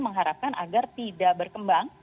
mengharapkan agar tidak berkembang